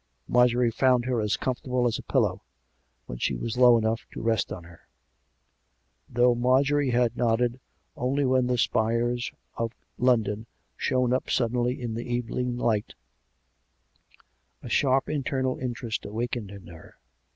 Mar jorie found her as comfortable as a pillow, when she was low enough to rest on her. ... Though Marjorie had nodded only when the spires of London shone up suddenly in the evening light, a sharp internal interest awakened in her.